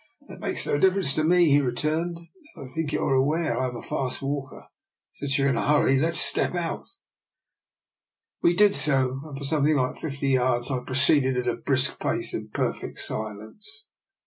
" That makes no difference at all to me," he returned. " As I think you are aware, I am a fast walker. Since you are in a hurry, let us step out." We did so, and for something like fifty yards proceeded at a brisk pace in perfect silence.